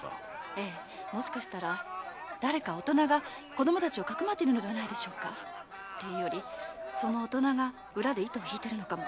ええもしかしたら誰か大人が子供達をかくまっているのでは？というよりその大人が裏で糸をひいているのかも。